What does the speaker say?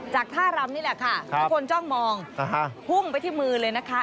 ท่ารำนี่แหละค่ะทุกคนจ้องมองพุ่งไปที่มือเลยนะคะ